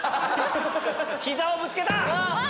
膝をぶつけた！